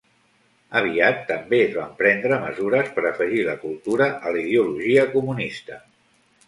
Aviat, també es van prendre mesures per afegir la cultura a la ideologia comunista.